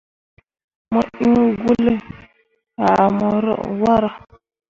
Mo iŋ gwulle ah mo waro.